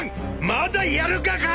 まだやるがか！？